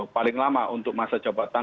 paling lama untuk masa jabatan